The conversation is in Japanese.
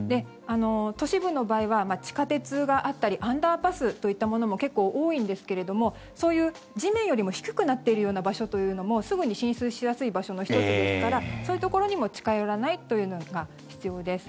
都市部の場合は地下鉄があったりアンダーパスといったものも結構多いんですけれどもそういう地面よりも低くなっているような場所というのもすぐに浸水しやすい場所の１つですからそういうところにも近寄らないというのが必要です。